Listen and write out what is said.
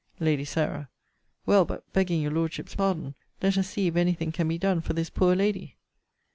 Lady Sarah. Well, but, begging your Lordship's pardon, let us see if any thing can be done for this poor lady.